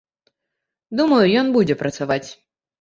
Думаю, ён будзе працаваць.